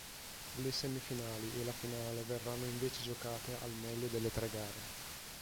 Le semifinali e la finale verranno invece giocate al meglio delle tre gare.